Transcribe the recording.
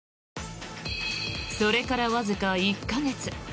それからわずか１か月。